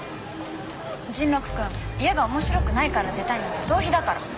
甚六君家が面白くないから出たいなんて逃避だから。